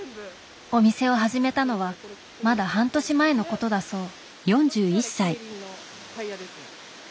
お店を始めたのはまだ半年前のことだそう。